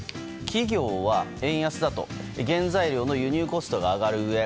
企業は、円安だと原材料の輸入コストが上がるうえ